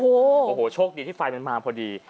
โอ้โหโชคดีที่ไฟมันมาพอดี